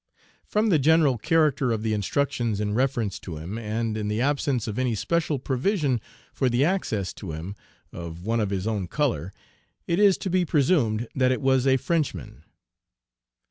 From the general character of the instructions in reference to him, and in the absence of any special provision for the access to him, of one of his own color, it is to be presumed that it was a Frenchman.